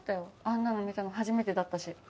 あんなの見たの初めてだったし。